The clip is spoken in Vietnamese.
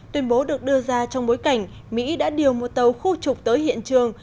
tuyên bố được đưa ra trong bối cảnh mỹ đã điều một tàu khu trục tới hiện trường